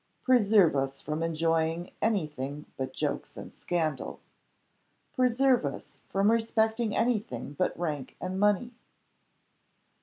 Preserve us from enjoying any thing but jokes and scandal! Preserve us from respecting any thing but rank and money!